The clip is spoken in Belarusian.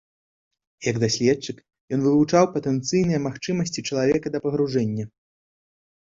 Як даследчык, ён вывучаў патэнцыйныя магчымасці чалавека да пагружэння.